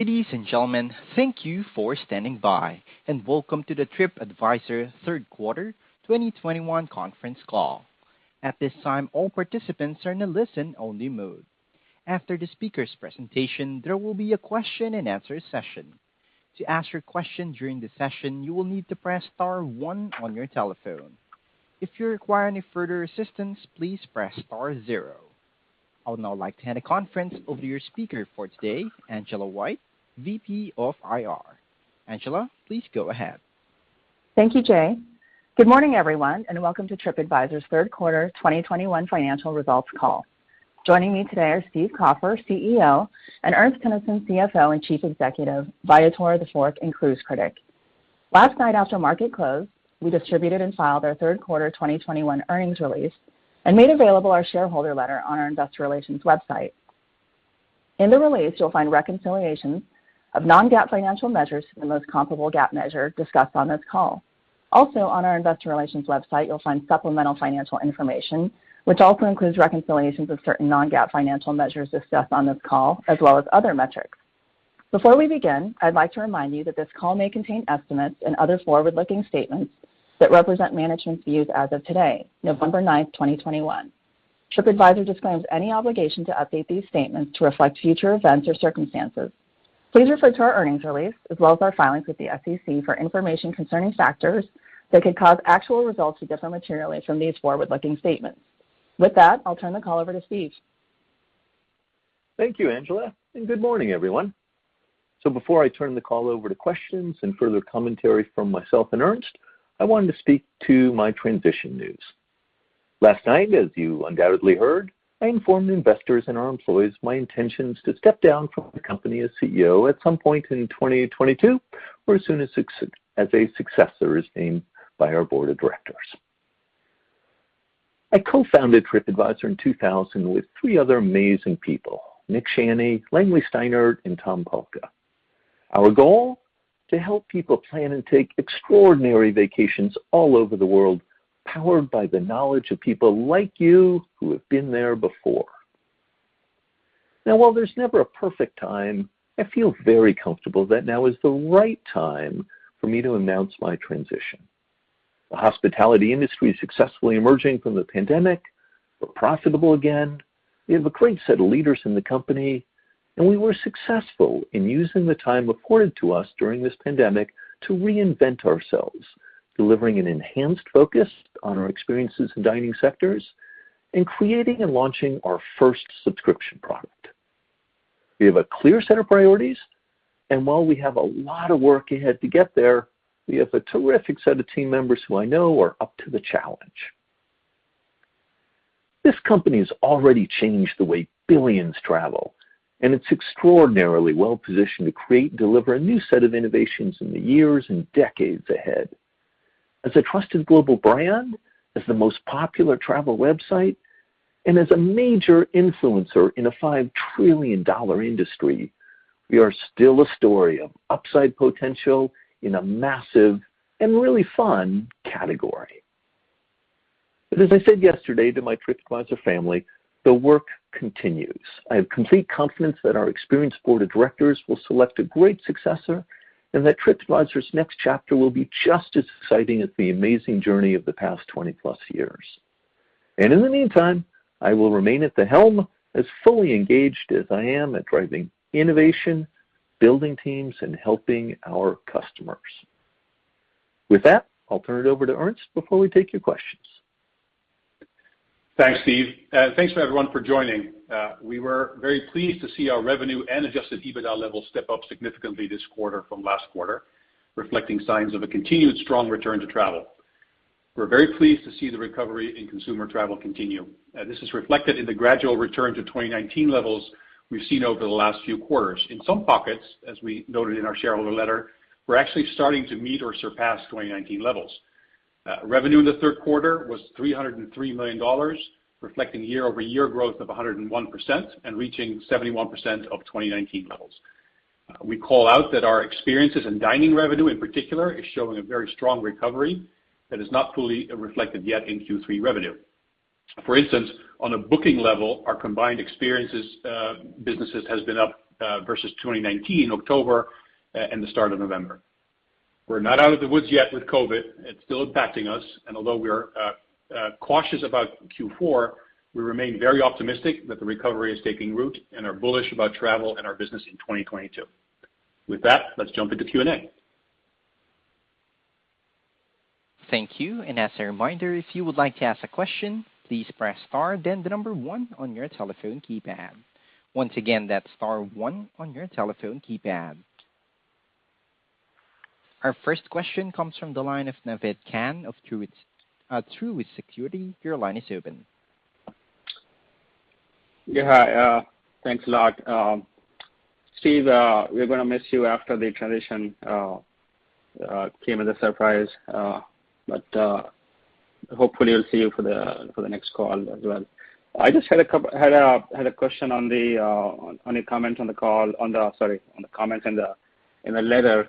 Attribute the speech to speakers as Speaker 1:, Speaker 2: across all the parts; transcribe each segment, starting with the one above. Speaker 1: Ladies and gentlemen, thank you for standing by, and welcome to the TripAdvisor Q3 2021 conference call. At this time, all participants are in a listen-only mode. After the speaker's presentation, there will be a question-and-answer session. To ask your question during the session, you will need to press star one on your telephone. If you require any further assistance, please press star zero. I would now like to hand the conference over to your speaker for today, Angela White, VP of IR. Angela, please go ahead.
Speaker 2: Thank you, Jay. Good morning, everyone, and welcome to TripAdvisor's Q3 2021 financial results call. Joining me today are Steve Kaufer, CEO, and Ernst Teunissen, CFO and Chief Executive, Viator, TheFork, and Cruise Critic. Last night after market close, we distributed and filed our Q3 2021 earnings release and made available our shareholder letter on our investor relations website. In the release, you'll find reconciliations of non-GAAP financial measures to the most comparable GAAP measure discussed on this call. Also, on our investor relations website, you'll find supplemental financial information, which also includes reconciliations of certain non-GAAP financial measures discussed on this call, as well as other metrics. Before we begin, I'd like to remind you that this call may contain estimates and other forward-looking statements that represent management's views as of today, November 9, 2021. TripAdvisor disclaims any obligation to update these statements to reflect future events or circumstances. Please refer to our earnings release, as well as our filings with the SEC for information concerning factors that could cause actual results to differ materially from these forward-looking statements. With that, I'll turn the call over to Steve.
Speaker 3: Thank you, Angela, and good morning, everyone. Before I turn the call over to questions and further commentary from myself and Ernst, I wanted to speak to my transition news. Last night, as you undoubtedly heard, I informed investors and our employees my intentions to step down from the company as CEO at some point in 2022 or as soon as a successor is named by our board of directors. I co-founded TripAdvisor in 2000 with three other amazing people, Nick Shanny, Langley Steinert, and Thomas Palka. Our goal, to help people plan and take extraordinary vacations all over the world, powered by the knowledge of people like you who have been there before. Now, while there's never a perfect time, I feel very comfortable that now is the right time for me to announce my transition. The hospitality industry is successfully emerging from the pandemic. We're profitable again. We have a great set of leaders in the company, and we were successful in using the time accorded to us during this pandemic to reinvent ourselves, delivering an enhanced focus on our experiences in dining sectors and creating and launching our first subscription product. We have a clear set of priorities, and while we have a lot of work ahead to get there, we have a terrific set of team members who I know are up to the challenge. This company has already changed the way billions travel, and it's extraordinarily well-positioned to create and deliver a new set of innovations in the years and decades ahead. As a trusted global brand, as the most popular travel website, and as a major influencer in a $5 trillion industry, we are still a story of upside potential in a massive and really fun category. As I said yesterday to my TripAdvisor family, the work continues. I have complete confidence that our experienced board of directors will select a great successor and that TripAdvisor's next chapter will be just as exciting as the amazing journey of the past 20+ years. In the meantime, I will remain at the helm as fully engaged as I am at driving innovation, building teams, and helping our customers. With that, I'll turn it over to Ernst before we take your questions.
Speaker 4: Thanks, Steve. Thanks for everyone for joining. We were very pleased to see our revenue and adjusted EBITDA levels step up significantly this quarter from last quarter, reflecting signs of a continued strong return to travel. We're very pleased to see the recovery in consumer travel continue. This is reflected in the gradual return to 2019 levels we've seen over the last few quarters. In some pockets, as we noted in our shareholder letter, we're actually starting to meet or surpass 2019 levels. Revenue in the Q3 was $303 million, reflecting year-over-year growth of 101% and reaching 71% of 2019 levels. We call out that our Experiences and Dining revenue, in particular, is showing a very strong recovery that is not fully reflected yet in Q3 revenue. For instance, on a booking level, our combined experiences businesses has been up versus 2019 October and the start of November. We're not out of the woods yet with COVID. It's still impacting us, and although we are cautious about Q4, we remain very optimistic that the recovery is taking root and are bullish about travel and our business in 2022. With that, let's jump into Q&A.
Speaker 1: Thank you. As a reminder, if you would like to ask a question, please press star then the number one on your telephone keypad. Once again, that's star one on your telephone keypad. Our first question comes from the line of Naved Khan of Truist Securities. Your line is open.
Speaker 5: Yeah. Hi. Thanks a lot. Steve, we're gonna miss you after the transition. It came as a surprise, but hopefully we'll see you for the next call as well. I just had a question on your comments on the call. Sorry, on the comments and the In the letter,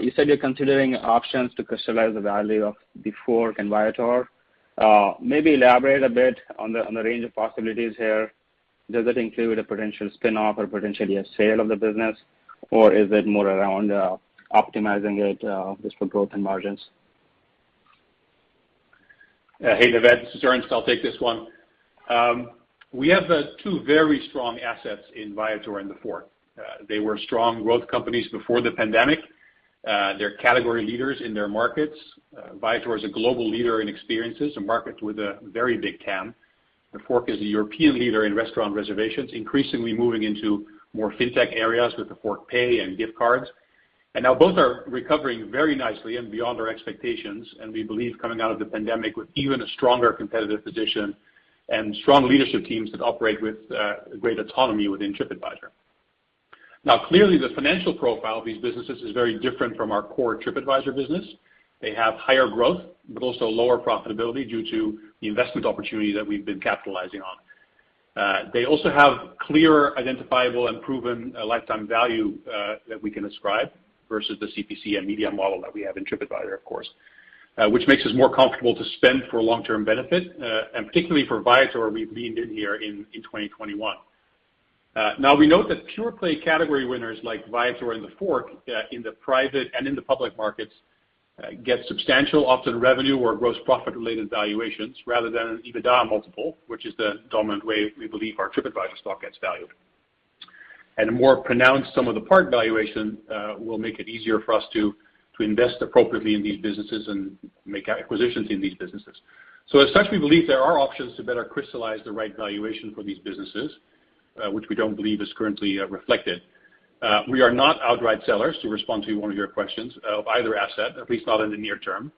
Speaker 5: you said you're considering options to crystallize the value of TheFork and Viator. Maybe elaborate a bit on the range of possibilities here. Does it include a potential spin off or potentially a sale of the business? Or is it more around optimizing it just for growth and margins?
Speaker 4: Hey, Naved, this is Ernst. I'll take this one. We have two very strong assets in Viator and The Fork. They were strong growth companies before the pandemic. They're category leaders in their markets. Viator is a global leader in experiences, a market with a very big TAM. The Fork is a European leader in restaurant reservations, increasingly moving into more fintech areas with The Fork Pay and gift cards. Now, both are recovering very nicely and beyond our expectations, and we believe coming out of the pandemic with even a stronger competitive position and strong leadership teams that operate with great autonomy within TripAdvisor. Now, clearly, the financial profile of these businesses is very different from our core TripAdvisor business. They have higher growth, but also lower profitability due to the investment opportunity that we've been capitalizing on. They also have clear, identifiable, and proven lifetime value that we can ascribe versus the CPC and media model that we have in TripAdvisor, of course, which makes us more comfortable to spend for long-term benefit, and particularly for Viator, we've leaned in here in 2021. Now we note that pure play category winners like Viator and TheFork in the private and in the public markets get substantial often revenue or gross profit-related valuations rather than an EBITDA multiple, which is the dominant way we believe our TripAdvisor stock gets valued. A more pronounced sum of the parts valuation will make it easier for us to invest appropriately in these businesses and make acquisitions in these businesses. As such, we believe there are options to better crystallize the right valuation for these businesses, which we don't believe is currently reflected. We are not outright sellers, to respond to one of your questions, of either asset, at least not in the near term.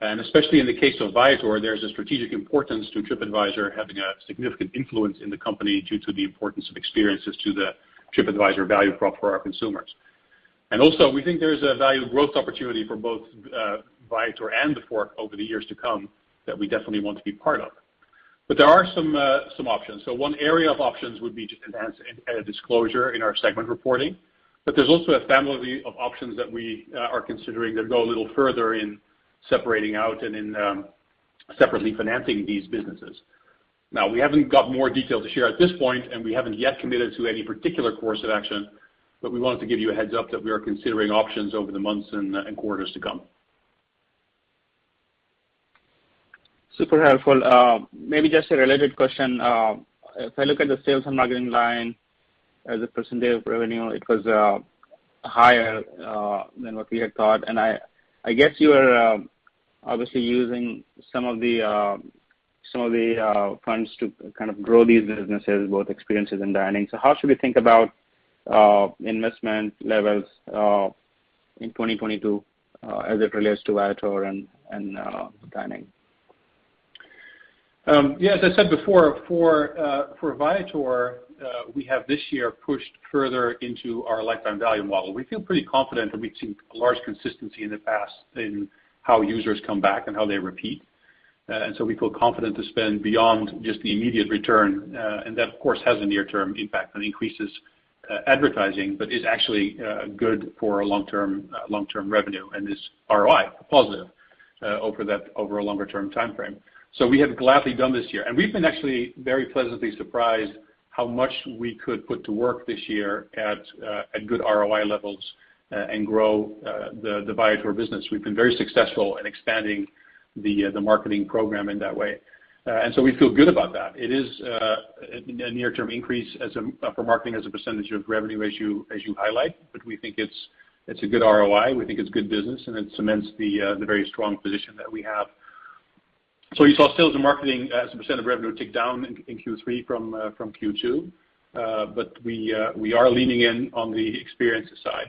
Speaker 4: Especially in the case of Viator, there's a strategic importance to TripAdvisor having a significant influence in the company due to the importance of experiences to the TripAdvisor value prop for our consumers. Also, we think there's a value growth opportunity for both Viator and TheFork over the years to come that we definitely want to be part of. There are some options. One area of options would be to enhance disclosure in our segment reporting, but there's also a family of options that we are considering that go a little further in separating out and separately financing these businesses. Now, we haven't got more detail to share at this point, and we haven't yet committed to any particular course of action, but we wanted to give you a heads up that we are considering options over the months and quarters to come.
Speaker 5: Super helpful. Maybe just a related question. If I look at the sales and marketing line as a percentage of revenue, it was higher than what we had thought. I guess you are obviously using some of the funds to kind of grow these businesses, both experiences and dining. How should we think about investment levels in 2022 as it relates to Viator and dining?
Speaker 4: Yeah, as I said before, for Viator, we have this year pushed further into our lifetime value model. We feel pretty confident, and we've seen a large consistency in the past in how users come back and how they repeat. We feel confident to spend beyond just the immediate return, and that of course has a near-term impact and increases advertising, but is actually good for our long-term revenue and is ROI positive over a longer-term timeframe. We have gladly done this year, and we've been actually very pleasantly surprised how much we could put to work this year at good ROI levels and grow the Viator business. We've been very successful in expanding the marketing program in that way. We feel good about that. It is a near-term increase for marketing as a % of revenue as you highlight, but we think it's a good ROI. We think it's good business, and it cements the very strong position that we have. You saw sales and marketing as a percentage of revenue tick down in Q3 from Q2. We are leaning in on the experiences side.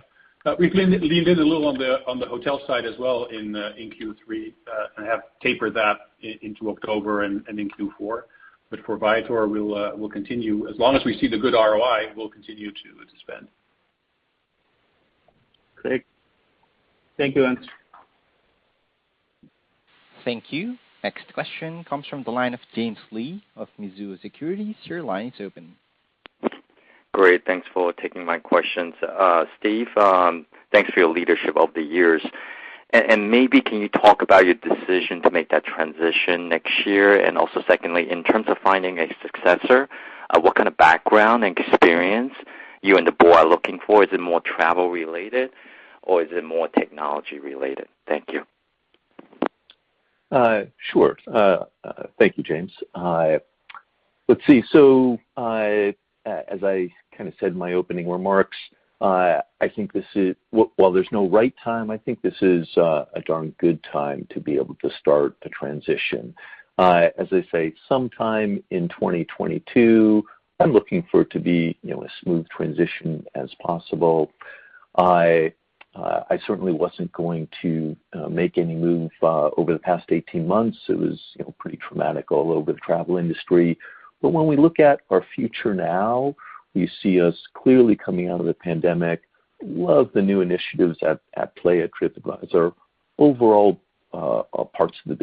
Speaker 4: We've leaned in a little on the hotel side as well in Q3 and have tapered that into October and in Q4. For Viator, we'll continue. As long as we see the good ROI, we'll continue to spend.
Speaker 5: Great. Thank you, Ernst.
Speaker 1: Thank you. Next question comes from the line of James Lee of Mizuho Securities USA. Your line is open.
Speaker 6: Great. Thanks for taking my questions. Steve, thanks for your leadership over the years. Maybe can you talk about your decision to make that transition next year? Also secondly, in terms of finding a successor, what kind of background and experience you and the board are looking for? Is it more travel related, or is it more technology related? Thank you.
Speaker 3: Sure. Thank you, James. Let's see. As I kind of said in my opening remarks, I think this is while there's no right time, I think this is a darn good time to be able to start the transition. As I say, sometime in 2022, I'm looking for it to be, you know, a smooth transition as possible. I certainly wasn't going to make any move over the past 18 months. It was, you know, pretty traumatic all over the travel industry. But when we look at our future now, we see us clearly coming out of the pandemic. I love the new initiatives at play at TripAdvisor. Overall, the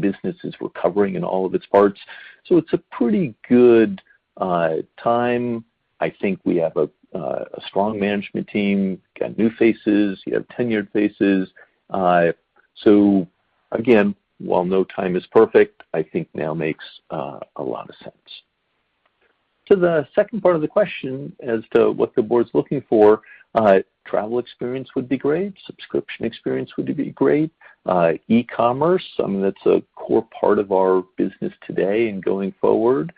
Speaker 3: business is recovering in all of its parts. It's a pretty good time. I think we have a strong management team, got new faces, you have tenured faces. Again, while no time is perfect, I think now makes a lot of sense. To the second part of the question as to what the board's looking for, travel experience would be great, subscription experience would be great. E-commerce, that's a core part of our business today and going forward.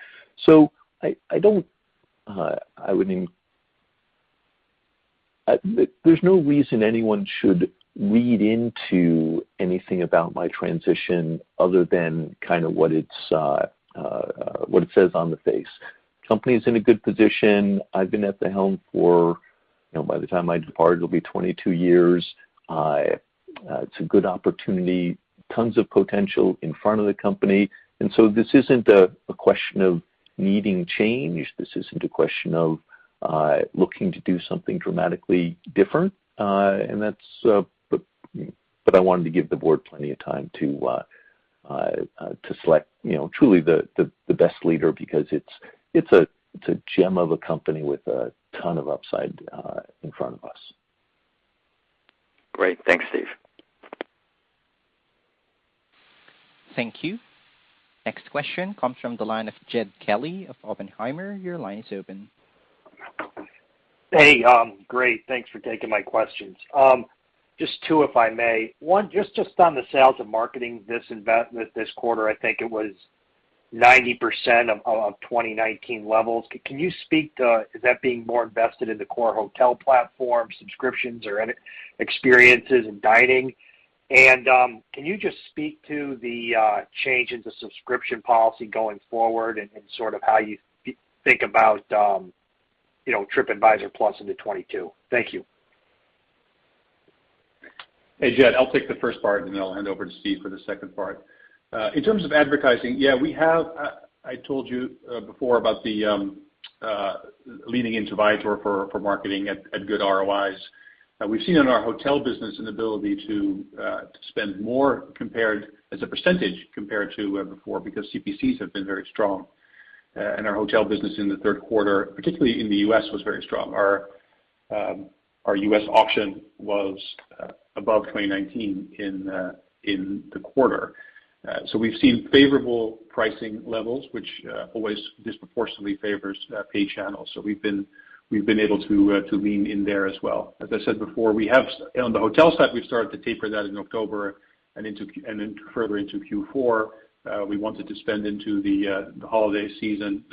Speaker 3: There's no reason anyone should read into anything about my transition other than kind of what it says on the face. Company is in a good position. I've been at the helm for, you know, by the time I depart, it'll be 22 years. It's a good opportunity, tons of potential in front of the company. This isn't a question of needing change. This isn't a question of looking to do something dramatically different, and that's but I wanted to give the board plenty of time to select, you know, truly the best leader because it's a gem of a company with a ton of upside in front of us.
Speaker 6: Great. Thanks, Steve.
Speaker 1: Thank you. Next question comes from the line of Jed Kelly of Oppenheimer & Co. Your line is open.
Speaker 7: Hey, great. Thanks for taking my questions. Just two, if I may. One, just on the sales and marketing disinvestment this quarter, I think it was 90% of 2019 levels. Can you speak to is that being more invested in the core hotel platform, subscriptions or any experiences in dining? Can you just speak to the change in the subscription policy going forward and sort of how you think about, you know, TripAdvisor Plus into 2022? Thank you.
Speaker 4: Hey, Jed, I'll take the first part, and then I'll hand over to Steve for the second part. In terms of advertising, yeah, we have, I told you, before about the leaning into Viator for marketing at good ROIs. We've seen in our hotel business an ability to spend more compared as a percentage to before, because CPCs have been very strong. Our hotel business in the Q3, particularly in the U.S., was very strong. Our U.S. auction was above 2019 in the quarter. We've seen favorable pricing levels, which always disproportionately favors pay channels. We've been able to lean in there as well. As I said before, on the hotel side, we've started to taper that in October and into Q4. We wanted to spend into the holiday season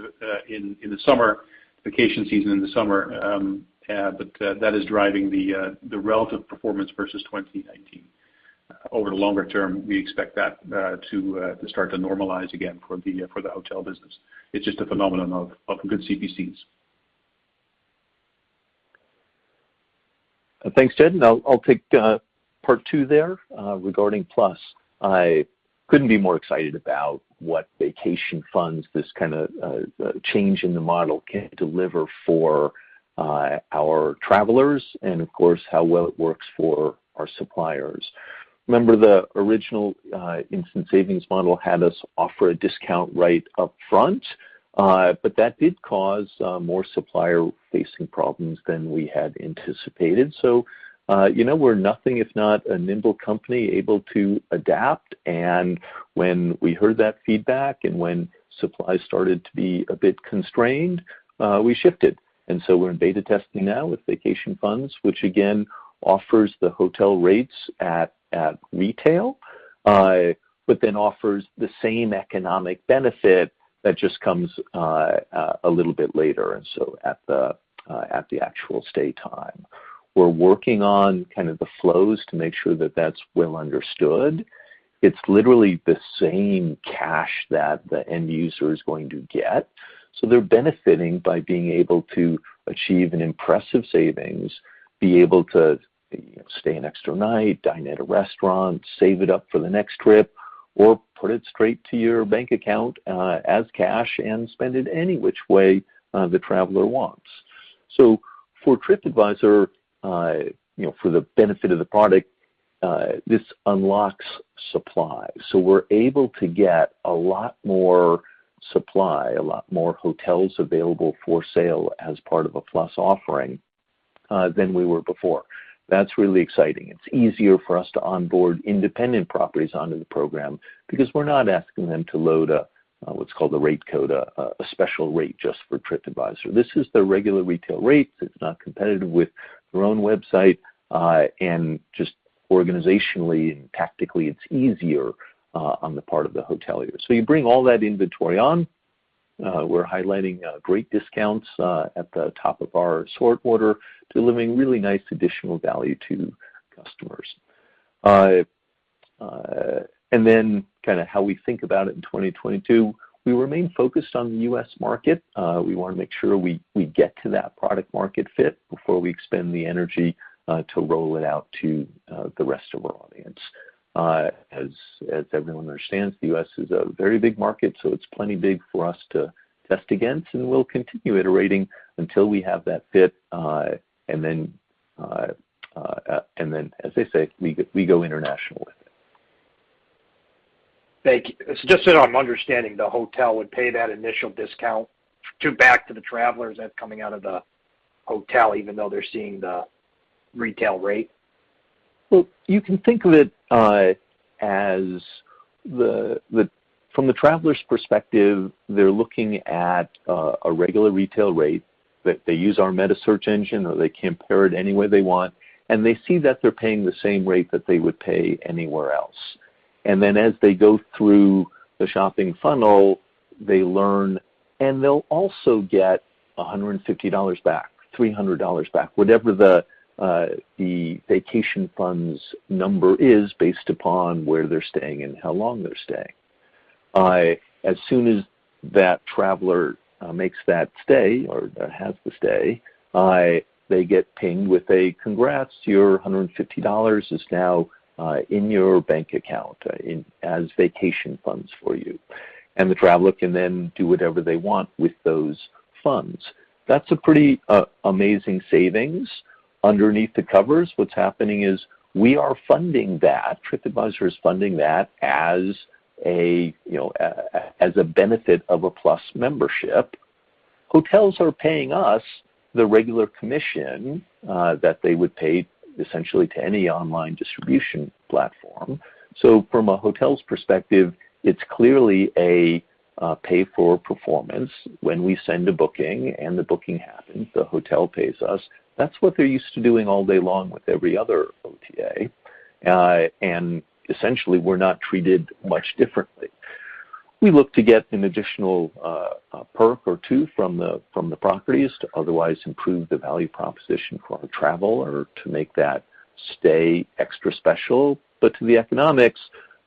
Speaker 4: in the summer vacation season. That is driving the relative performance versus 2019. Over the longer term, we expect that to start to normalize again for the hotel business. It's just a phenomenon of good CPCs.
Speaker 3: Thanks, Jed. I'll take part two there regarding Plus. I couldn't be more excited about what vacation funds this kind of change in the model can deliver for our travelers and of course, how well it works for our suppliers. Remember the original instant savings model had us offer a discount right up front, but that did cause more supplier-facing problems than we had anticipated. You know, we're nothing if not a nimble company able to adapt. When we heard that feedback and when supply started to be a bit constrained, we shifted. We're in beta testing now with vacation funds, which again offers the hotel rates at retail, but then offers the same economic benefit that just comes a little bit later, and so at the actual stay time. We're working on kind of the flows to make sure that that's well understood. It's literally the same cash that the end user is going to get. They're benefiting by being able to achieve an impressive savings, you know, stay an extra night, dine at a restaurant, save it up for the next trip, or put it straight to your bank account, as cash and spend it any which way, the traveler wants. For TripAdvisor, you know, for the benefit of the product, this unlocks supply. We're able to get a lot more supply, a lot more hotels available for sale as part of a Plus offering, than we were before. That's really exciting. It's easier for us to onboard independent properties onto the program because we're not asking them to load a, what's called a rate code, a special rate just for TripAdvisor. This is the regular retail rates. It's not competitive with their own website, and just organizationally and tactically, it's easier on the part of the hotelier. You bring all that inventory on. We're highlighting great discounts at the top of our sort order, delivering really nice additional value to customers. Kinda how we think about it in 2022, we remain focused on the U.S. market. We wanna make sure we get to that product market fit before we expend the energy to roll it out to the rest of our audience. As everyone understands, the U.S. is a very big market, so it's plenty big for us to test against, and we'll continue iterating until we have that fit, and then, as they say, we go international with it.
Speaker 7: Thank you. Just so I'm understanding, the hotel would pay that initial discount to, back to the travelers that's coming out of the hotel, even though they're seeing the retail rate?
Speaker 3: Well, you can think of it as, from the traveler's perspective, they're looking at a regular retail rate that they use our metasearch engine or they compare it any way they want, and they see that they're paying the same rate that they would pay anywhere else. Then as they go through the shopping funnel, they learn, and they'll also get $150 back, $300 back, whatever the vacation funds number is based upon where they're staying and how long they're staying. As soon as that traveler makes that stay or has the stay, they get pinged with a, "Congrats, your $150 is now in your bank account as vacation funds for you." The traveler can then do whatever they want with those funds. That's a pretty amazing savings. Underneath the covers, what's happening is we are funding that. TripAdvisor is funding that as a, you know, as a benefit of a Plus Membership. Hotels are paying us the regular commission that they would pay essentially to any online distribution platform. From a hotel's perspective, it's clearly a pay for performance. When we send a booking and the booking happens, the hotel pays us. That's what they're used to doing all day long with every other OTA. Essentially, we're not treated much differently. We look to get an additional perk or two from the properties to otherwise improve the value proposition for our traveler to make that stay extra special. To the economics,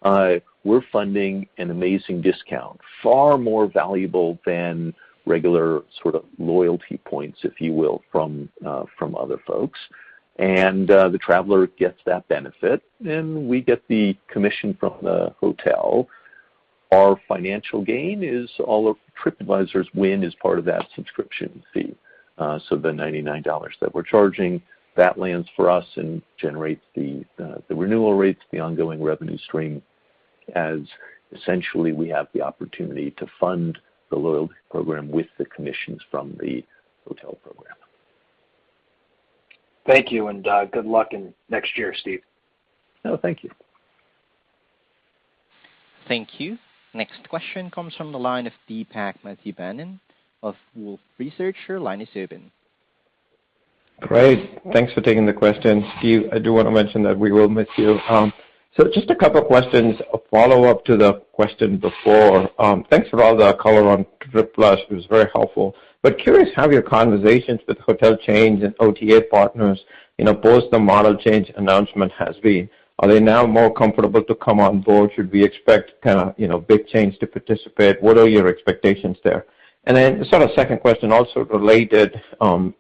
Speaker 3: we're funding an amazing discount, far more valuable than regular sort of loyalty points, if you will, from other folks. The traveler gets that benefit, and we get the commission from the hotel. Our financial gain is all of TripAdvisor's win as part of that subscription fee. The $99 that we're charging lands for us and generates the renewal rates, the ongoing revenue stream, as essentially we have the opportunity to fund the loyalty program with the commissions from the hotel program.
Speaker 7: Thank you, and good luck in next year, Steve.
Speaker 3: No, thank you.
Speaker 1: Thank you. Next question comes from the line of Deepak Mathivanan of Wolfe Research. Your line is open.
Speaker 8: Great. Thanks for taking the question. Steve, I do wanna mention that we will miss you. Just a couple of questions, a follow-up to the question before. Thanks for all the color on TripAdvisor Plus. It was very helpful. Curious how your conversations with hotel chains and OTA partners, you know, post the model change announcement has been. Are they now more comfortable to come on board? Should we expect kinda, you know, big chains to participate? What are your expectations there? Then sort of second question also related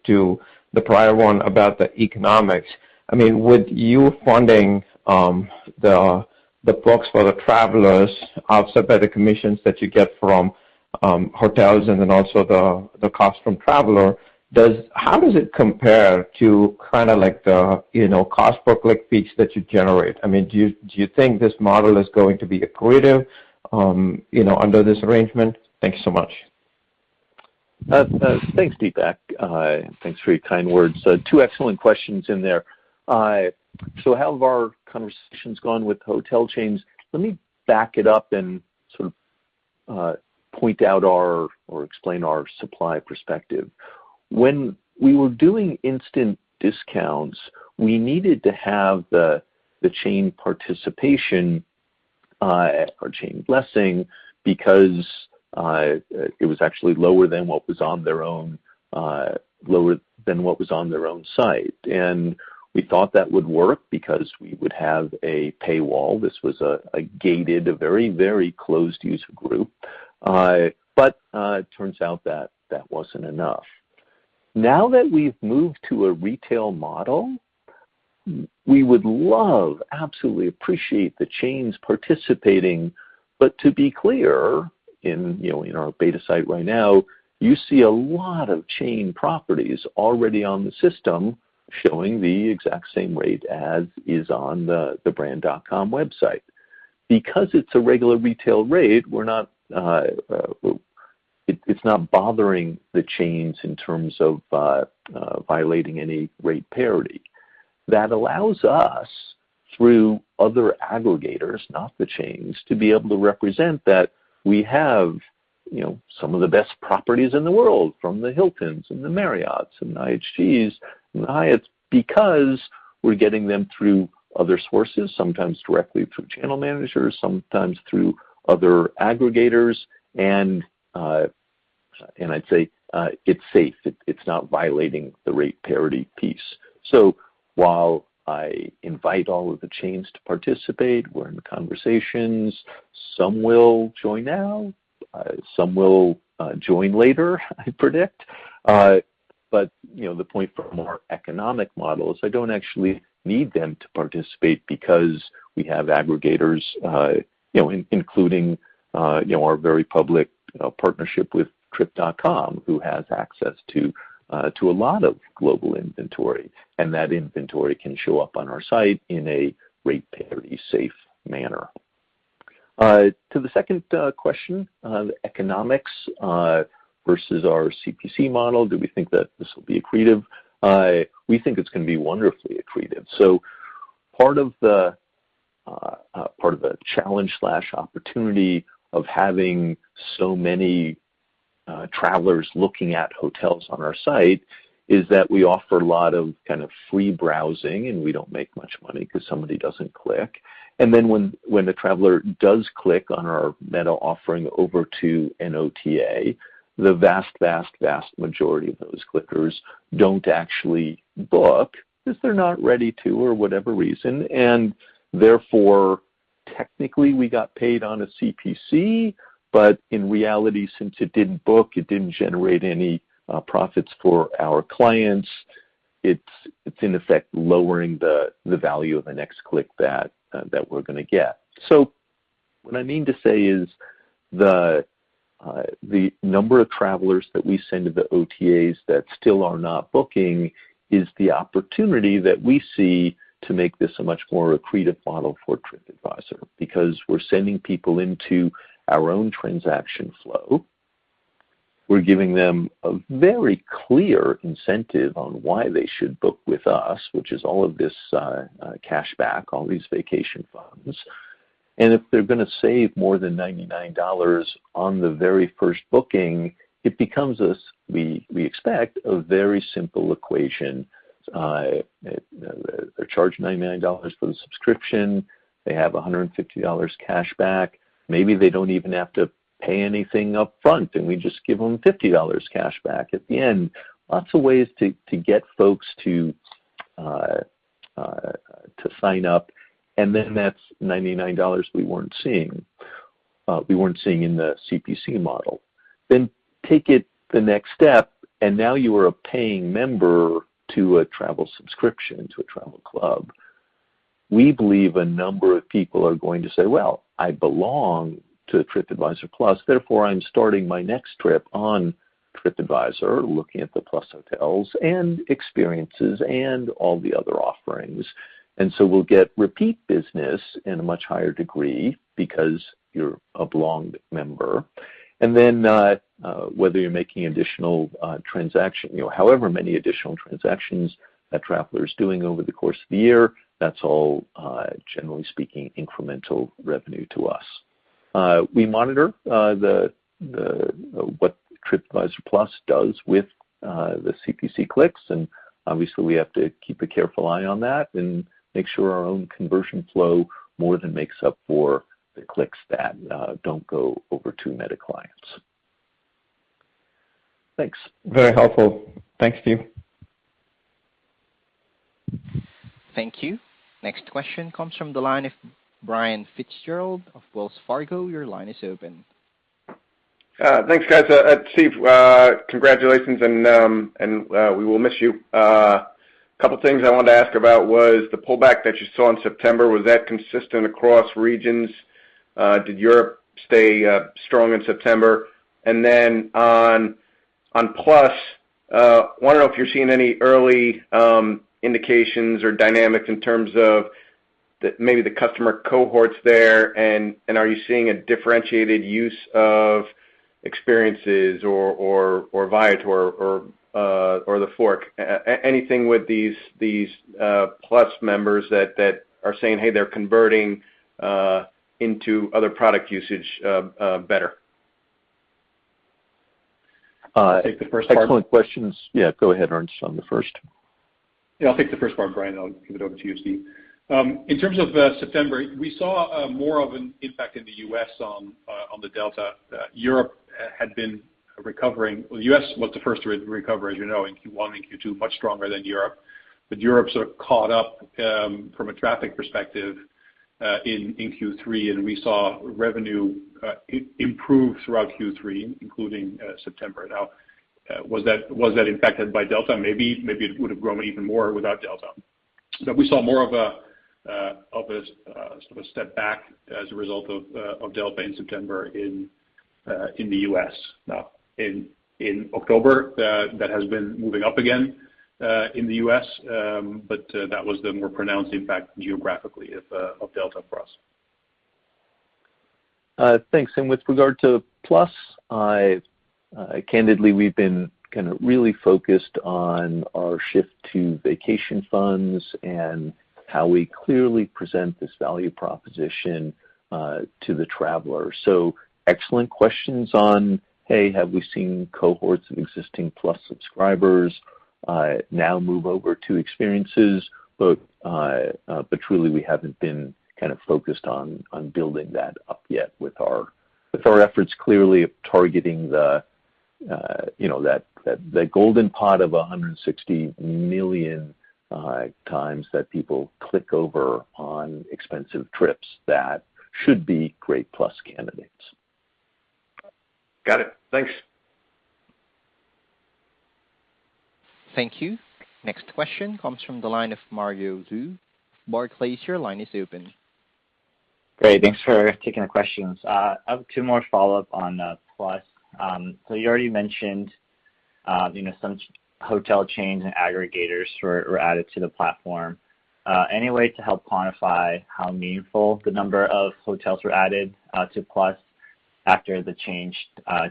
Speaker 8: to the prior one about the economics. I mean, with you funding the perks for the travelers offset by the commissions that you get from hotels and then also the cost from traveler, how does it compare to kinda like the cost per click fees that you generate? I mean, do you think this model is going to be accretive, you know, under this arrangement? Thank you so much.
Speaker 3: Thanks, Deepak. Thanks for your kind words. Two excellent questions in there. How have our conversations gone with hotel chains? Let me back it up and sort of point out our or explain our supply perspective. When we were doing instant discounts, we needed to have the chain participation or chain blessing because it was actually lower than what was on their own site. We thought that would work because we would have a paywall. This was a gated, very closed user group. It turns out that that wasn't enough. Now that we've moved to a retail model, we would love, absolutely appreciate the chains participating. To be clear, you know, in our beta site right now, you see a lot of chain properties already on the system showing the exact same rate as is on the brand.com website. Because it's a regular retail rate, it's not bothering the chains in terms of violating any rate parity. That allows us, through other aggregators, not the chains, to be able to represent that we have, you know, some of the best properties in the world, from the Hilton and the Marriott and IHG and Hyatt, because we're getting them through other sources, sometimes directly through channel managers, sometimes through other aggregators. I'd say it's safe. It's not violating the rate parity piece. While I invite all of the chains to participate, we're in conversations, some will join now, some will join later, I predict. You know, the point from our economic model is I don't actually need them to participate because we have aggregators, you know, including, you know, our very public partnership with Trip.com, who has access to a lot of global inventory, and that inventory can show up on our site in a rate parity safe manner. To the second question on economics versus our CPC model, do we think that this will be accretive? We think it's gonna be wonderfully accretive. Part of the challenge/opportunity of having so many travelers looking at hotels on our site is that we offer a lot of kind of free browsing, and we don't make much money 'cause somebody doesn't click. Then when the traveler does click on our meta offering over to an OTA, the vast majority of those clickers don't actually book because they're not ready to or whatever reason. Therefore, technically, we got paid on a CPC, but in reality, since it didn't book, it didn't generate any profits for our clients. It's in effect lowering the value of the next click that we're gonna get. What I mean to say is the number of travelers that we send to the OTAs that still are not booking is the opportunity that we see to make this a much more accretive model for TripAdvisor. Because we're sending people into our own transaction flow, we're giving them a very clear incentive on why they should book with us, which is all of this cash back, all these vacation funds. If they're gonna save more than $99 on the very first booking, it becomes as we expect a very simple equation. They're charged $99 for the subscription. They have $150 cash back. Maybe they don't even have to pay anything upfront, and we just give them $50 cash back at the end. Lots of ways to get folks to sign up, and then that's $99 we weren't seeing in the CPC model. Take it the next step, and now you are a paying member to a travel subscription, to a travel club. We believe a number of people are going to say, "Well, I belong to TripAdvisor Plus, therefore I'm starting my next trip on TripAdvisor, looking at the Plus hotels and experiences and all the other offerings." We'll get repeat business in a much higher degree because you're a belonged member. Whether you're making additional transaction, you know, however many additional transactions that traveler is doing over the course of the year, that's all, generally speaking, incremental revenue to us. We monitor the What TripAdvisor Plus does with the CPC clicks, and obviously, we have to keep a careful eye on that and make sure our own conversion flow more than makes up for the clicks that don't go over to metasearch clients. Thanks.
Speaker 8: Very helpful. Thanks, Steve.
Speaker 1: Thank you. Next question comes from the line of Brian Fitzgerald of Wells Fargo. Your line is open.
Speaker 9: Thanks, guys. Steve, congratulations and we will miss you. Couple things I wanted to ask about was the pullback that you saw in September, was that consistent across regions? Did Europe stay strong in September? Then on Plus, wondering if you're seeing any early indications or dynamics in terms of the, maybe the customer cohorts there, and are you seeing a differentiated use of experiences or Viator or TheFork? Anything with these Plus members that are saying, hey, they're converting into other product usage better.
Speaker 3: Uh.
Speaker 9: Take the first part.
Speaker 3: Excellent questions. Yeah, go ahead, Ernst, on the first.
Speaker 4: Yeah, I'll take the first part, Brian, and I'll give it over to you, Steve. In terms of September, we saw more of an impact in the U.S. on the Delta. Europe had been recovering. Well, the U.S. was the first to recover, as you know, in Q1 and Q2, much stronger than Europe. Europe sort of caught up from a traffic perspective in Q3, and we saw revenue improve throughout Q3, including September. Now, was that impacted by Delta? Maybe it would have grown even more without Delta. We saw more of a sort of step back as a result of Delta in September in the U.S. Now, in October, that has been moving up again in the U.S., but that was the more pronounced impact geographically of Delta for us.
Speaker 3: Thanks. With regard to Plus, I've candidly, we've been kinda really focused on our shift to vacation funds and how we clearly present this value proposition to the traveler. Excellent questions on, hey, have we seen cohorts of existing Plus subscribers now move over to experiences? But truly, we haven't been kind of focused on building that up yet with our efforts clearly of targeting the you know that golden pot of 160 million times that people click over on expensive trips that should be great Plus candidates.
Speaker 9: Got it. Thanks.
Speaker 1: Thank you. Next question comes from the line of Mario Lu. Barclays, your line is open.
Speaker 10: Great. Thanks for taking the questions. I have two more follow-up on Plus. So you already mentioned you know some hotel chains and aggregators were added to the platform. Any way to help quantify how meaningful the number of hotels were added to Plus after the change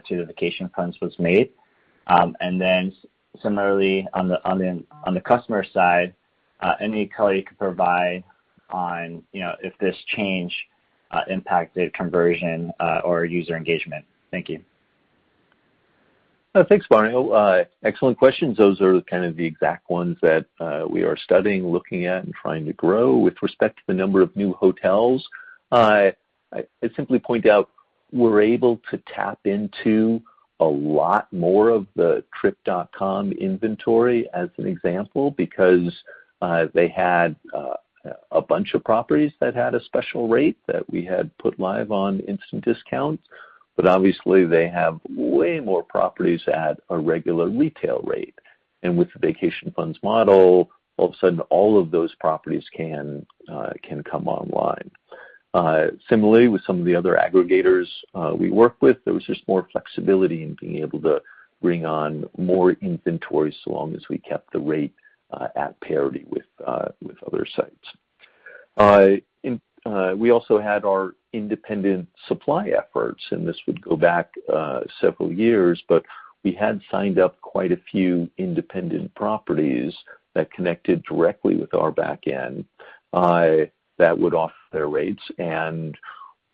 Speaker 10: to the vacation funds was made? And then similarly on the customer side any color you could provide on you know if this change impacted conversion or user engagement. Thank you.
Speaker 3: Thanks, Mario Lu. Excellent questions. Those are kind of the exact ones that we are studying, looking at, and trying to grow. With respect to the number of new hotels, I simply point out we're able to tap into a lot more of the Trip.com inventory as an example because they had a bunch of properties that had a special rate that we had put live on instant discounts. Obviously they have way more properties at a regular retail rate. With the vacation funds model, all of a sudden, all of those properties can come online. Similarly with some of the other aggregators we work with, there was just more flexibility in being able to bring on more inventory so long as we kept the rate at parity with other sites. We also had our independent supply efforts, and this would go back several years, but we had signed up quite a few independent properties that connected directly with our back end that would offer their rates.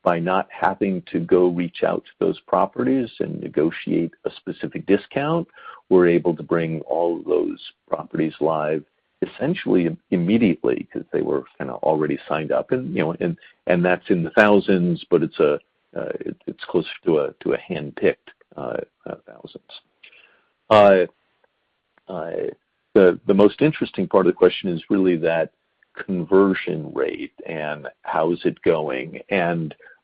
Speaker 3: By not having to go reach out to those properties and negotiate a specific discount, we're able to bring all those properties live essentially immediately because they were kinda already signed up. You know, that's in the thousands, but it's closer to a handpicked thousands. The most interesting part of the question is really that conversion rate and how is it going.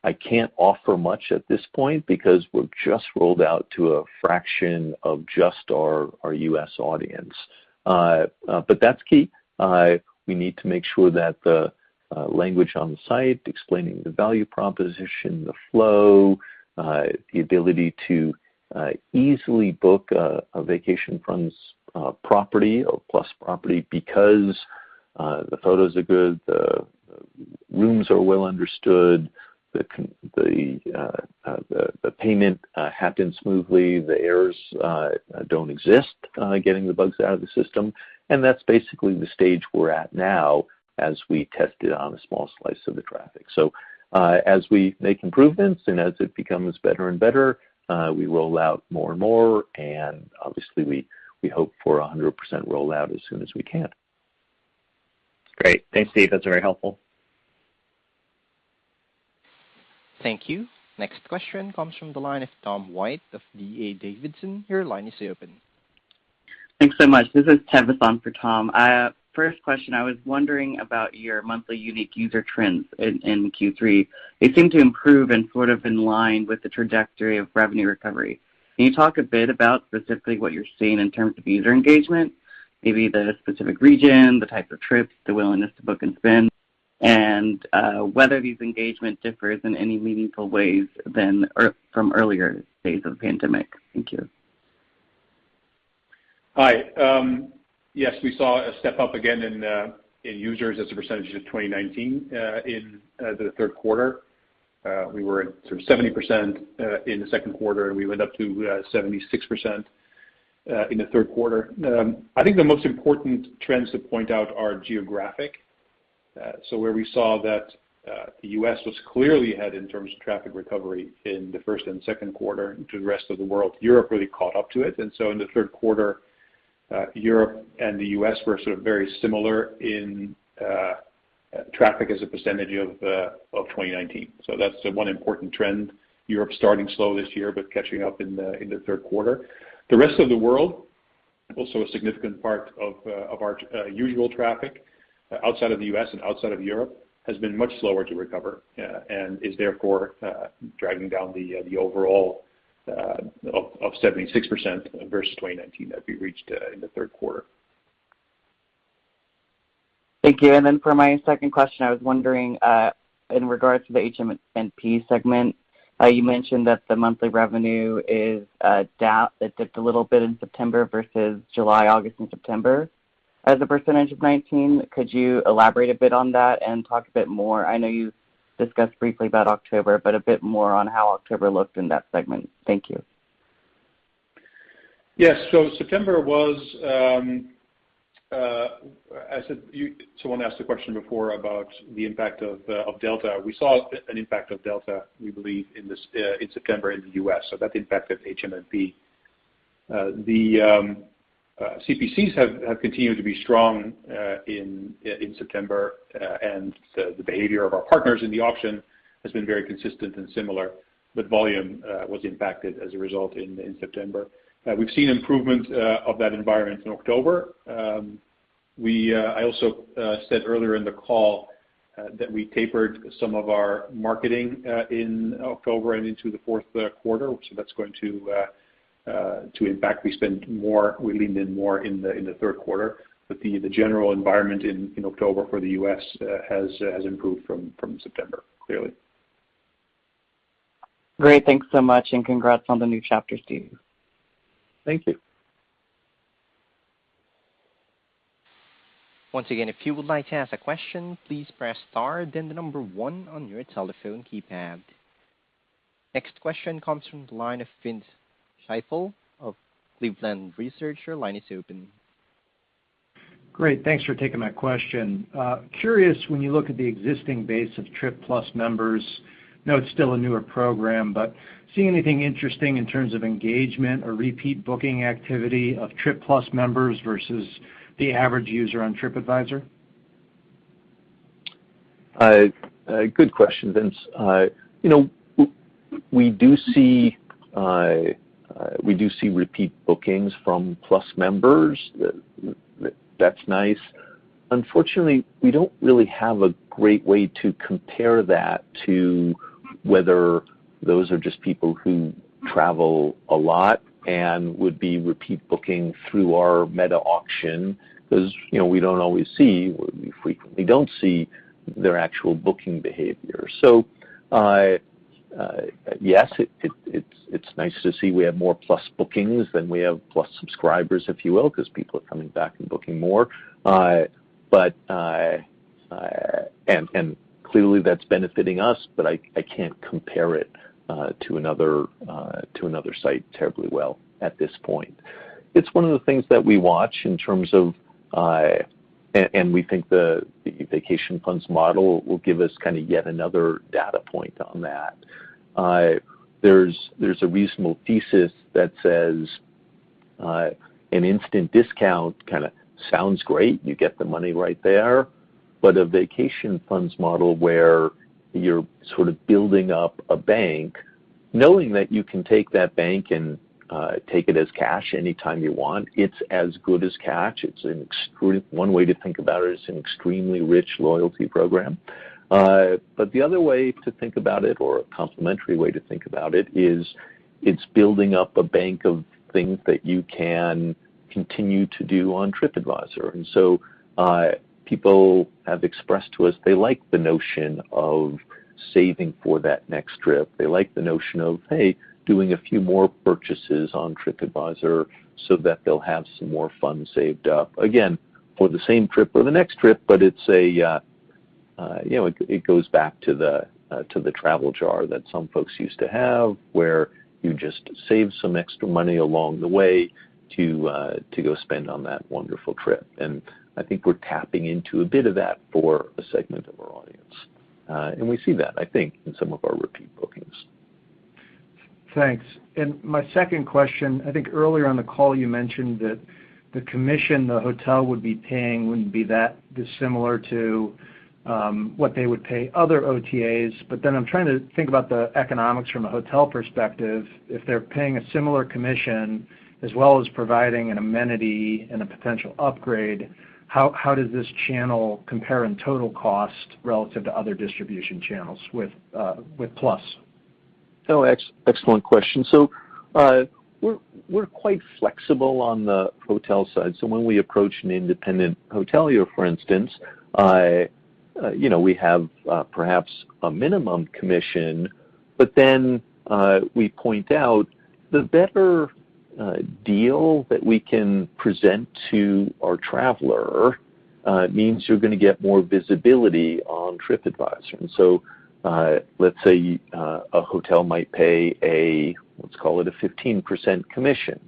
Speaker 3: I can't offer much at this point because we're just rolled out to a fraction of just our U.S. audience. But that's key. We need to make sure that the language on the site explaining the value proposition, the flow, the ability to easily book a vacation funds property or Plus property because the photos are good, the rooms are well understood, the payment happens smoothly, the errors don't exist, getting the bugs out of the system. That's basically the stage we're at now as we test it on a small slice of the traffic. As we make improvements and as it becomes better and better, we roll out more and more, and obviously we hope for a 100% rollout as soon as we can.
Speaker 10: Great. Thanks, Steve. That's very helpful.
Speaker 1: Thank you. Next question comes from the line of Tom White of D.A. Davidson. Your line is open.
Speaker 11: Thanks so much. This is Tej Vassan for Tom. First question, I was wondering about your monthly unique user trends in Q3. They seem to improve and sort of in line with the trajectory of revenue recovery. Can you talk a bit about specifically what you're seeing in terms of user engagement, maybe the specific region, the type of trips, the willingness to book and spend, and whether this engagement differs in any meaningful ways from earlier phase of pandemic. Thank you.
Speaker 3: Hi. Yes, we saw a step up again in users as a percentage of 2019 in the Q3. We were at sort of 70% in the Q2, and we went up to 76% in the Q3. I think the most important trends to point out are geographic. Where we saw that the U.S. was clearly ahead in terms of traffic recovery in the first and Q2 to the rest of the world, Europe really caught up to it. In the Q3, Europe and the U.S. were sort of very similar in traffic as a percentage of 2019. That's one important trend. Europe starting slow this year, but catching up in the Q3. The rest of the world, also a significant part of our usual traffic outside of the U.S. and outside of Europe, has been much slower to recover and is therefore dragging down the overall 76% versus 2019 that we reached in the Q3.
Speaker 12: Thank you. For my second question, I was wondering, in regards to the HM&P segment, you mentioned that the monthly revenue is down. It dipped a little bit in September versus July, August and September as a percentage of 2019. Could you elaborate a bit on that and talk a bit more. I know you've discussed briefly about October, but a bit more on how October looked in that segment. Thank you.
Speaker 3: Yes. September was. Someone asked a question before about the impact of Delta. We saw an impact of Delta, we believe, in September in the U.S. That impacted HM&P. The CPCs have continued to be strong in September, and the behavior of our partners in the auction has been very consistent and similar, but volume was impacted as a result in September. We've seen improvement of that environment in October. I also said earlier in the call that we tapered some of our marketing in October and into the Q4. That's going to impact. We leaned in more in the Q3. The general environment in October for the U.S. has improved from September, clearly.
Speaker 11: Great. Thanks so much, and congrats on the new chapter, Steve.
Speaker 3: Thank you.
Speaker 1: Once again, if you would like to ask a question, please press star then the number one on your telephone keypad. Next question comes from the line of Vince Ciepiel of Cleveland Research. Line is open.
Speaker 13: Great. Thanks for taking my question. I'm curious, when you look at the existing base of TripAdvisor Plus members, you know it's still a newer program, but do you see anything interesting in terms of engagement or repeat booking activity of TripAdvisor Plus members versus the average user on TripAdvisor?
Speaker 3: Good question, Vince. You know, we do see repeat bookings from Plus members. That's nice. Unfortunately, we don't really have a great way to compare that to whether those are just people who travel a lot and would be repeat booking through our metasearch because, you know, we don't always see, we frequently don't see their actual booking behavior. Yes, it's nice to see we have more Plus bookings than we have Plus subscribers, if you will, 'cause people are coming back and booking more. But and clearly that's benefiting us, but I can't compare it to another site terribly well at this point. It's one of the things that we watch in terms of...We think the Vacation Funds model will give us kind of yet another data point on that. There's a reasonable thesis that says an instant discount kinda sounds great, you get the money right there, but a Vacation Funds model where you're sort of building up a bank, knowing that you can take that bank and take it as cash anytime you want, it's as good as cash. One way to think about it is an extremely rich loyalty program. The other way to think about it or a complementary way to think about it is it's building up a bank of things that you can continue to do on TripAdvisor. People have expressed to us they like the notion of saving for that next trip. They like the notion of, hey, doing a few more purchases on TripAdvisor so that they'll have some more funds saved up, again, for the same trip or the next trip, but it's a, you know, it goes back to the travel jar that some folks used to have, where you just save some extra money along the way to go spend on that wonderful trip. I think we're tapping into a bit of that for a segment of our audience. We see that, I think, in some of our repeat bookings.
Speaker 13: Thanks. My second question, I think earlier on the call you mentioned that the commission the hotel would be paying wouldn't be that dissimilar to what they would pay other OTAs. I'm trying to think about the economics from a hotel perspective. If they're paying a similar commission as well as providing an amenity and a potential upgrade, how does this channel compare in total cost relative to other distribution channels with Plus?
Speaker 3: Excellent question. We're quite flexible on the hotel side. When we approach an independent hotelier, for instance, we have perhaps a minimum commission, but then we point out the better deal that we can present to our traveler means you're gonna get more visibility on TripAdvisor. Let's say a hotel might pay a, let's call it a 15% commission.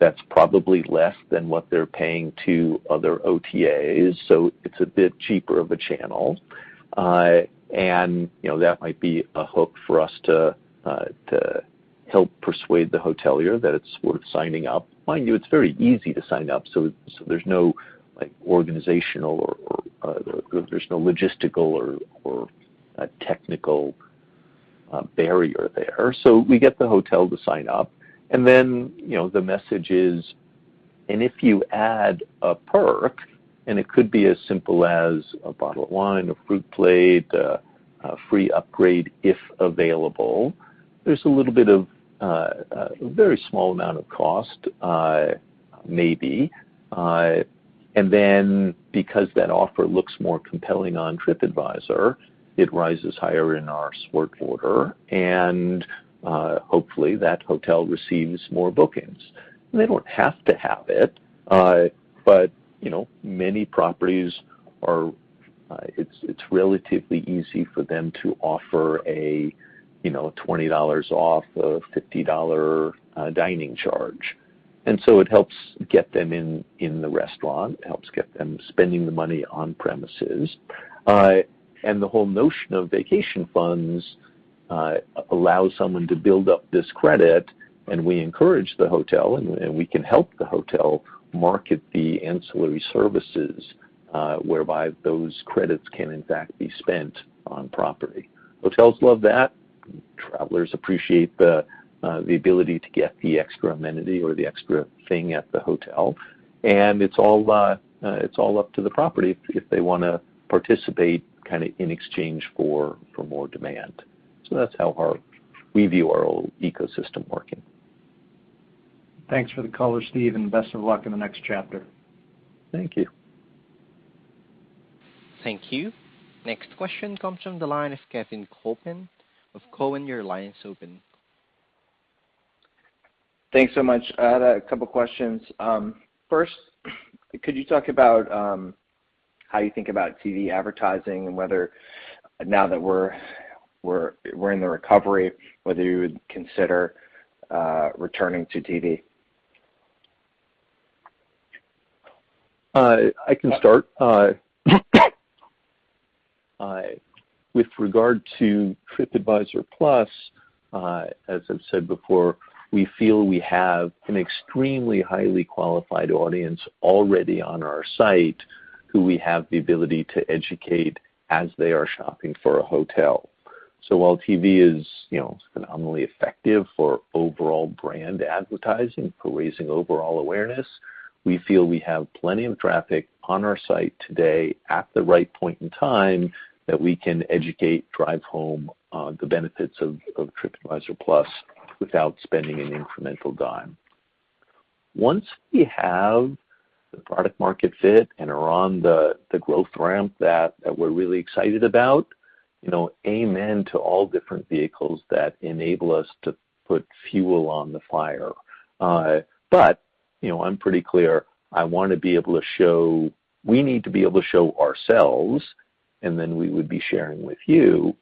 Speaker 3: That's probably less than what they're paying to other OTAs, so it's a bit cheaper of a channel. That might be a hook for us to help persuade the hotelier that it's worth signing up. Mind you, it's very easy to sign up, so there's no organizational or there's no logistical or a technical barrier there. We get the hotel to sign up, and then, you know, the message is, and if you add a perk, and it could be as simple as a bottle of wine, a fruit plate, a free upgrade if available, there's a little bit of a very small amount of cost, maybe. And then because that offer looks more compelling on TripAdvisor, it rises higher in our sort order, and hopefully, that hotel receives more bookings. They don't have to have it, but you know, many properties are, it's relatively easy for them to offer a, you know, $20 off a $50 dining charge. It helps get them in the restaurant. It helps get them spending the money on premises. The whole notion of Vacation Funds allows someone to build up this credit, and we encourage the hotel, and we can help the hotel market the ancillary services, whereby those credits can in fact be spent on property. Hotels love that. Travelers appreciate the ability to get the extra amenity or the extra thing at the hotel. It's all up to the property if they wanna participate kinda in exchange for more demand. That's how we view our ecosystem working.
Speaker 13: Thanks for the color, Steve, and best of luck in the next chapter.
Speaker 3: Thank you.
Speaker 1: Thank you. Next question comes from the line of Kevin Kopelman of TD Cowen. Your line is open.
Speaker 14: Thanks so much. I had a couple questions. First, could you talk about how you think about TV advertising and whether now that we're in the recovery, whether you would consider returning to TV?
Speaker 3: I can start with regard to TripAdvisor Plus, as I've said before, we feel we have an extremely highly qualified audience already on our site who we have the ability to educate as they are shopping for a hotel. While TV is, you know, phenomenally effective for overall brand advertising, for raising overall awareness, we feel we have plenty of traffic on our site today at the right point in time that we can educate, drive home the benefits of TripAdvisor Plus without spending an incremental dime. Once we have the product market fit and are on the growth ramp that we're really excited about, you know, amen to all different vehicles that enable us to put fuel on the fire. I'm pretty clear I wanna be able to show we need to be able to show ourselves, and then we would be sharing with you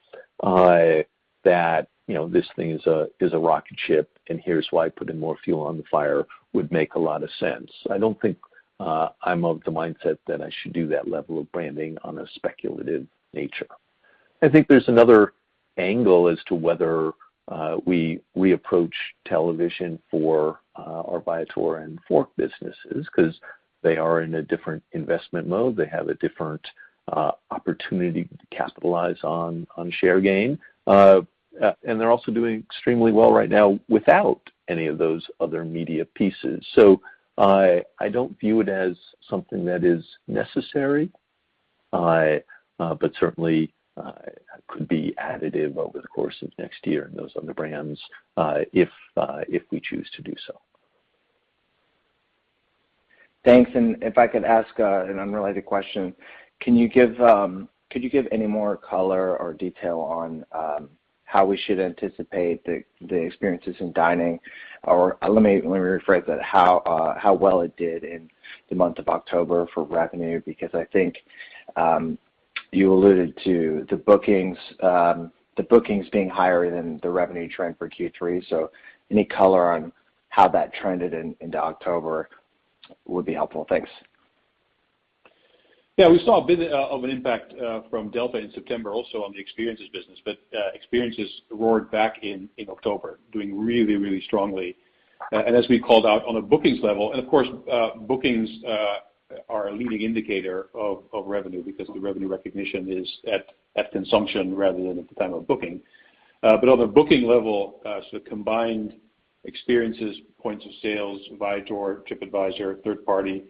Speaker 3: that you know this thing is a rocket ship, and here's why putting more fuel on the fire would make a lot of sense. I don't think I'm of the mindset that I should do that level of branding on a speculative nature. I think there's another angle as to whether we approach television for our Viator and TheFork businesses 'cause they are in a different investment mode. They have a different opportunity to capitalize on share gain, and they're also doing extremely well right now without any of those other media pieces. I don't view it as something that is necessary, but certainly could be additive over the course of next year in those other brands, if we choose to do so.
Speaker 14: Thanks. If I could ask an unrelated question. Could you give any more color or detail on how we should anticipate the experiences in dining? Or let me rephrase that. How well it did in the month of October for revenue? Because I think you alluded to the bookings being higher than the revenue trend for Q3. Any color on how that trended into October would be helpful. Thanks.
Speaker 4: Yeah. We saw a bit of an impact from Delta in September also on the experiences business. Experiences roared back in October, doing really strongly. As we called out on a bookings level, of course, bookings are a leading indicator of revenue because the revenue recognition is at consumption rather than at the time of booking. On the booking level, combined experiences, points of sale, Viator, TripAdvisor, third party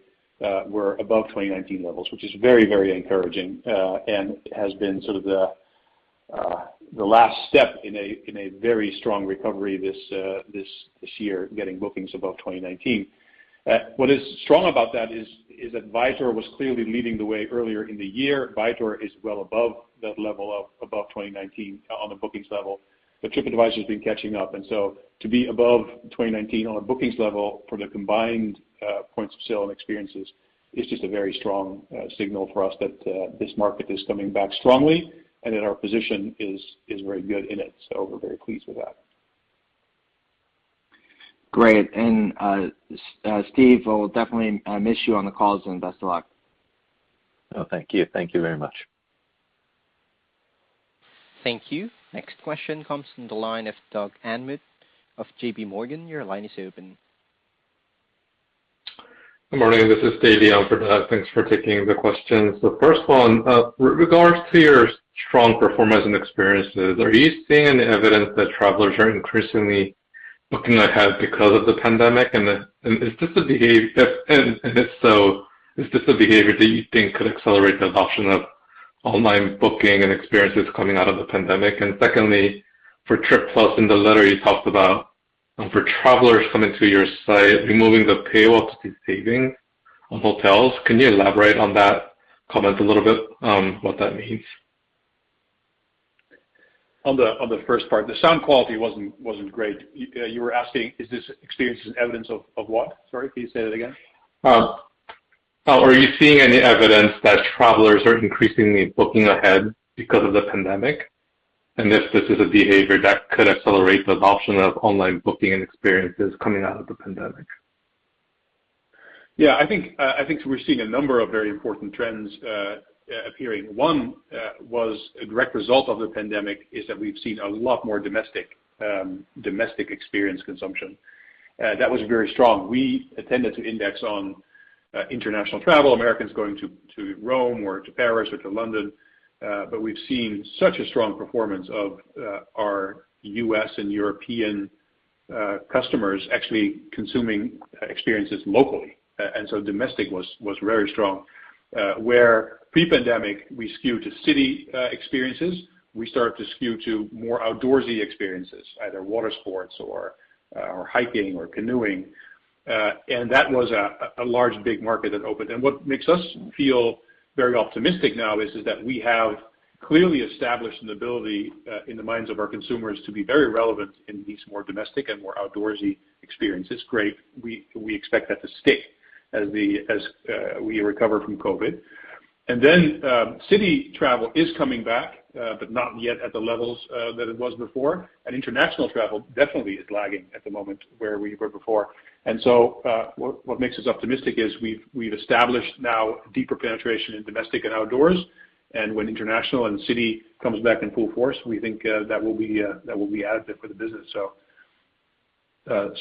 Speaker 4: were above 2019 levels, which is very encouraging, and has been sort of the last step in a very strong recovery this year, getting bookings above 2019. What is strong about that is that Viator was clearly leading the way earlier in the year. Viator is well above that level of above 2019 on the bookings level, but TripAdvisor's been catching up. To be above 2019 on a bookings level for the combined points of sale and experiences is just a very strong signal for us that this market is coming back strongly and that our position is very good in it. We're very pleased with that.
Speaker 14: Great. Steve, I will definitely miss you on the calls, and best of luck.
Speaker 3: Oh, thank you. Thank you very much.
Speaker 1: Thank you. Next question comes from the line of Doug Anmuth of JPMorgan. Your line is open.
Speaker 15: Good morning. This is Doug Anmuth. Thanks for taking the questions. The first one, with regard to your strong performance and experiences, are you seeing any evidence that travelers are increasingly booking ahead because of the pandemic? Is this a behavior that you think could accelerate the adoption of online booking and experiences coming out of the pandemic? Secondly, for TripAdvisor Plus, in the letter you talked about, for travelers coming to your site, removing the paywall to see savings on hotels. Can you elaborate on that comment a little bit, on what that means?
Speaker 4: On the first part, the sound quality wasn't great. You were asking is this experience evidence of what? Sorry, can you say that again?
Speaker 15: Are you seeing any evidence that travelers are increasingly booking ahead because of the pandemic, and if this is a behavior that could accelerate the adoption of online booking and experiences coming out of the pandemic?
Speaker 4: Yeah. I think we're seeing a number of very important trends appearing. One was a direct result of the pandemic, is that we've seen a lot more domestic experience consumption. That was very strong. We tended to index on international travel, Americans going to Rome or to Paris or to London, but we've seen such a strong performance of our U.S. and European customers actually consuming experiences locally. Domestic was very strong. Where pre-pandemic we skew to city experiences, we start to skew to more outdoorsy experiences, either water sports or hiking or canoeing. That was a large, big market that opened. What makes us feel very optimistic now is that we have clearly established an ability in the minds of our consumers to be very relevant in these more domestic and more outdoorsy experiences. Great, we expect that to stay as we recover from COVID. Then, city travel is coming back, but not yet at the levels that it was before. International travel definitely is lagging behind where we were before. What makes us optimistic is we've established now deeper penetration in domestic and outdoors, and when international and city comes back in full force, we think that will be additive for the business.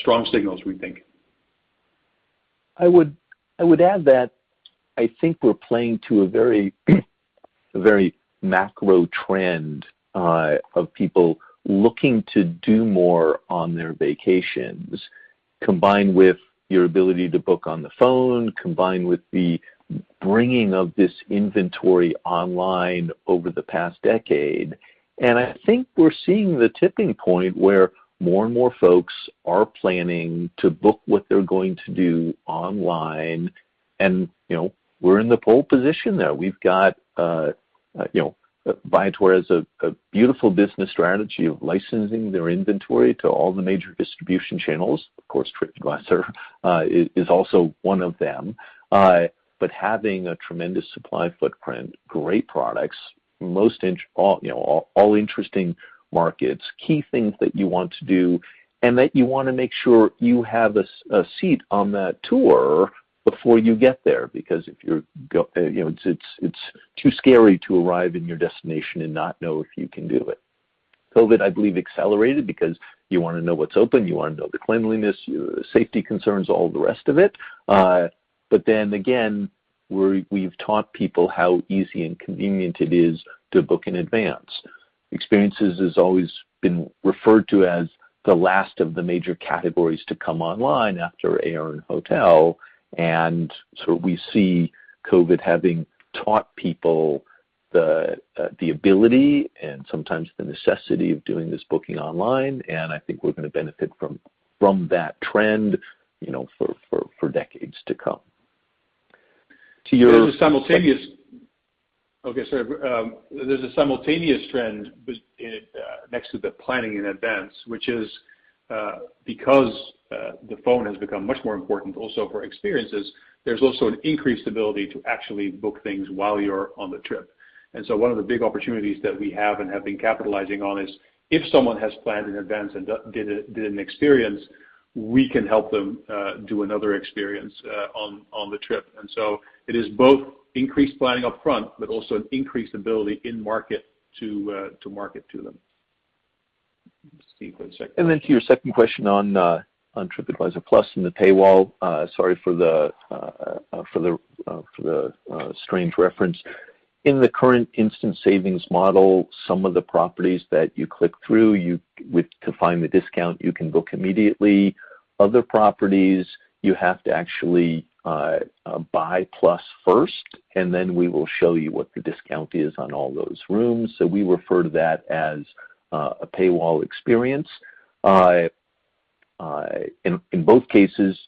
Speaker 4: Strong signals, we think.
Speaker 3: I would add that I think we're playing to a very macro trend of people looking to do more on their vacations, combined with your ability to book on the phone, combined with the bringing of this inventory online over the past decade. I think we're seeing the tipping point where more and more folks are planning to book what they're going to do online. You know, we're in the pole position there. We've got, you know, Viator has a beautiful business strategy of licensing their inventory to all the major distribution channels. Of course, TripAdvisor is also one of them. Having a tremendous supply footprint, great products, all, you know, all interesting markets, key things that you want to do, and that you wanna make sure you have a seat on that tour before you get there, because you know, it's too scary to arrive in your destination and not know if you can do it. COVID, I believe, accelerated because you wanna know what's open, you wanna know the cleanliness, your safety concerns, all the rest of it. We've taught people how easy and convenient it is to book in advance. Experiences has always been referred to as the last of the major categories to come online after air and hotel. We see COVID having taught people the ability and sometimes the necessity of doing this booking online, and I think we're gonna benefit from that trend, you know, for decades to come. To your.
Speaker 4: There's a simultaneous trend next to the planning in advance, which is, because the phone has become much more important also for experiences, there's also an increased ability to actually book things while you're on the trip. One of the big opportunities that we have and have been capitalizing on is, if someone has planned in advance and did an experience, we can help them do another experience on the trip. It is both increased planning upfront, but also an increased ability in market to market to them. Let's see, one second.
Speaker 3: To your second question on TripAdvisor Plus and the paywall, sorry for the strange reference. In the current instant savings model, some of the properties that you click through to find the discount, you can book immediately. Other properties, you have to actually buy Plus first, and then we will show you what the discount is on all those rooms. We refer to that as a paywall experience. In both cases,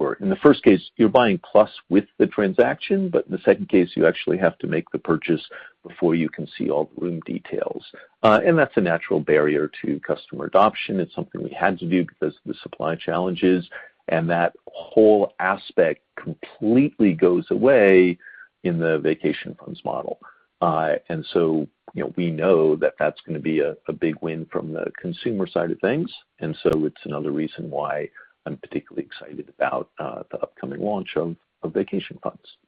Speaker 3: or in the first case, you're buying Plus with the transaction, but in the second case, you actually have to make the purchase before you can see all the room details. That's a natural barrier to customer adoption. It's something we had to do because of the supply challenges, and that whole aspect completely goes away in the Vacation Funds model. You know, we know that that's gonna be a big win from the consumer side of things. It's another reason why I'm particularly excited about the upcoming launch of Vacation Funds.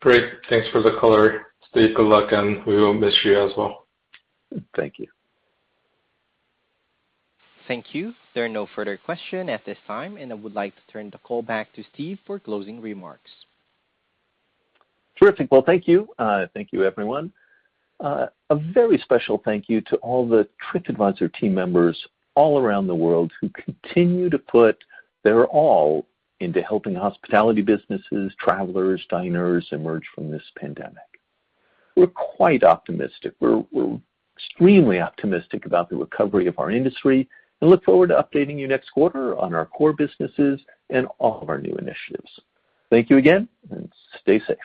Speaker 15: Great. Thanks for the color, Steve. Good luck, and we will miss you as well.
Speaker 3: Thank you.
Speaker 1: Thank you. There are no further questions at this time, and I would like to turn the call back to Steve for closing remarks.
Speaker 3: Terrific. Well, thank you. Thank you everyone. A very special thank you to all the TripAdvisor team members all around the world who continue to put their all into helping hospitality businesses, travelers, diners emerge from this pandemic. We're quite optimistic. We're extremely optimistic about the recovery of our industry and look forward to updating you next quarter on our core businesses and all of our new initiatives. Thank you again, and stay safe.